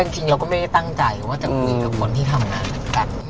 จริงเราก็ไม่ได้ตั้งใจว่าจะคุยกับคนที่ทำงานเหมือนกัน